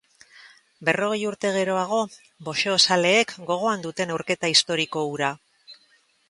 Berrogei urte geroago, boxeozaleek gogoan dute neurketa historiko hura.